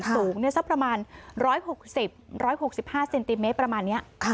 สูงเนี่ยสักประมาณ๑๖๐๑๖๕ซินติเมตรประมาณเนี่ย